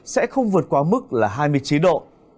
sẽ không vượt qua mức là hai mươi chín độ